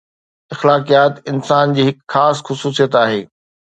اخلاقيات انسان جي هڪ خاص خصوصيت آهي